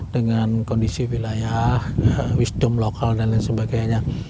dengan kondisi wilayah wisdom lokal dan lain sebagainya